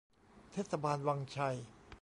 เทศบาลวังชัย